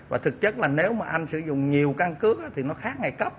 và thực chất là nếu mà anh sử dụng nhiều căn cứ thì nó khác ngày cấp